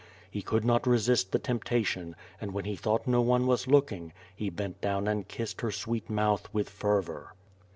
He could not resist the temptation and, when he thought no one was looking, he bent down and kissed her sweet mouth with fervor.